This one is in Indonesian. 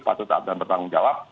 patut ada bertanggung jawab